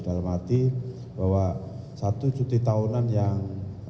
dalam arti bahwa satu cuti tahunan yang